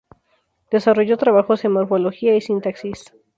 Desarrolló trabajos en morfología y sintaxis.